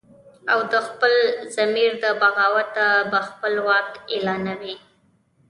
او د خپل ضمیر د بغاوته به خپل واک اعلانوي